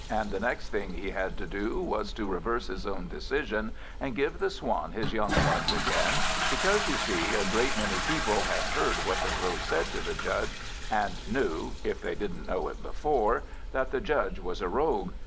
And the next thing he had to do was to reverse his own decision, and give the Swan his young ones again; because, you see, a great many people had heard what the Crow said to the Judge, and knew (if they didn't know it before) that the Judge was a rogue.